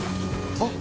・あっ！！